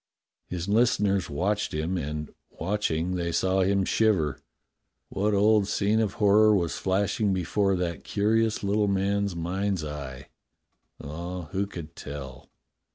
His listeners watched him, and, watching, they saw him shiver. What old scene of horror was flashing before that curious little man's mind's eye.'^ Ah, who could tell?